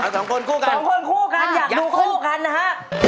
สองคนคู่กันสองคนคู่กันอยากดูคู่กันนะฮะ